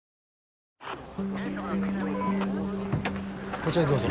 こちらへどうぞ。